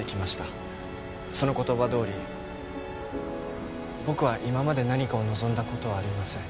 その言葉どおり僕は今まで何かを望んだ事はありません。